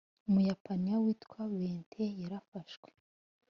umupayiniya witwa bente yarafashwe.